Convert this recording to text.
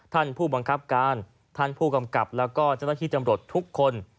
ท่านผู้บังคับการท่านผู้กำกับแล้วก็เจ้าหน้าที่จำรวจทุกคน